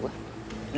bener kan kata gue